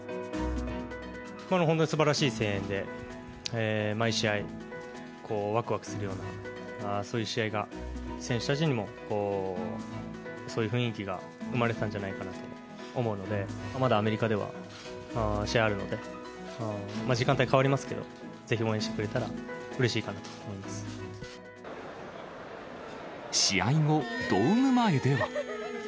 本当にすばらしい声援で、毎試合、わくわくするような、そういう試合が選手たちにも、そういう雰囲気が生まれてたんじゃないかなと思うので、まだアメリカでは試合あるので、時間帯は変わりますけど、ぜひ応援してくれたらうれしいかなと思試合後、ドーム前では。